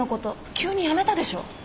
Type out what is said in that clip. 急に辞めたでしょ。